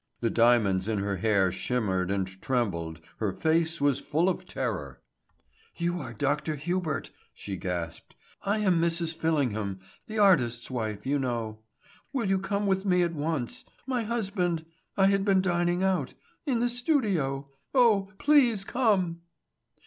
The diamonds in her hair shimmered and trembled, her face was full of terror. "You are Dr. Hubert," she gasped. "I am Mrs. Fillingham, the artist's wife, you know. Will you come with me at once.... My husband.... I had been dining out. In the studio.... Oh, please come!"